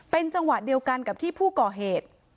เป็นจังหวะเดียวกันกับที่ผู้ก่อเหตุ